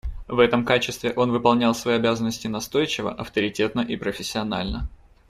В этом качестве он выполнял свои обязанности настойчиво, авторитетно и профессионально.